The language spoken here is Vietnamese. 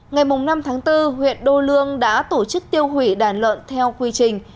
ngày năm tháng bốn huyện đô lương đã tổ chức tiêu hủy đàn lợn theo quy trình